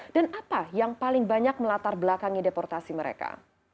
dan apa yang paling banyak melatar belakangi deportasi mereka